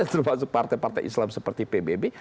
termasuk partai partai islam seperti pbb